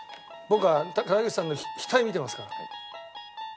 僕は竹内さんの額見てますから。